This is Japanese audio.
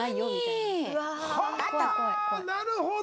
なるほど！